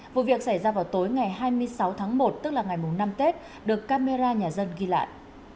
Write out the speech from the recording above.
vụ việc xảy ra vào tối ngày hai mươi sáu tháng một tức là ngày năm tết được camera nhà dân ghi lại